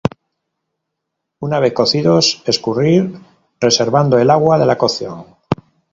Una vez cocidos escurrir reservando el agua de la cocción.